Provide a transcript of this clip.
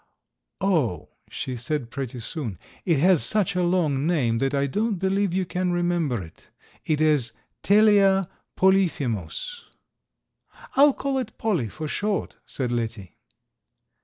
"Oh!" she said pretty soon, "it has such a long name that I don't believe you can remember it. It is Telea polyphemus." "I'll call it Polly for short," said Letty.